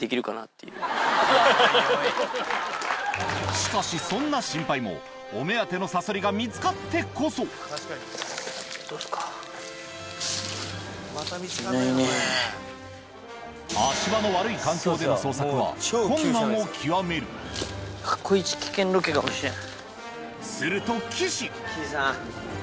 しかしそんな心配もお目当てのサソリが見つかってこそ足場の悪い環境での捜索は困難を極めるすると岸キジーさん